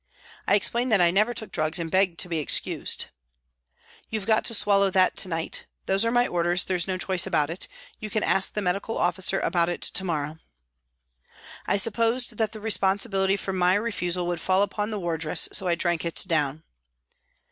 I explained that I never took drugs and begged to be excused. " You've got to swallow that to night those are my orders, there's no choice about it. You can ask the medical officer about it to morrow." I supposed that responsibility for my refusal would fall upon the wardress, so I drank it down.